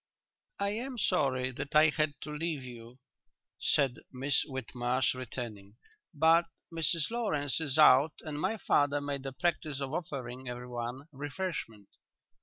"I am sorry that I had to leave you," said Miss Whitmarsh, returning, "but Mrs Lawrence is out and my father made a practice of offering everyone refreshment."